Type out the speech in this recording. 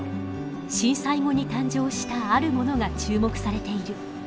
震災後に誕生したあるものが注目されている。